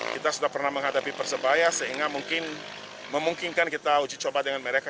kita sudah pernah menghadapi persebaya sehingga mungkin memungkinkan kita uji coba dengan mereka